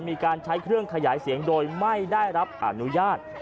มีการใช้เครื่องขยายเสียงโดยไม่ได้รับอนุญาต